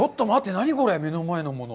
何これ、目の前のもの。